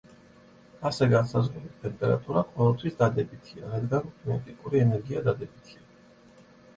ასე განსაზღვრული ტემპერატურა ყოველთვის დადებითია, რადგან კინეტიკური ენერგია დადებითია.